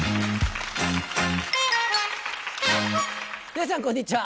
皆さんこんにちは。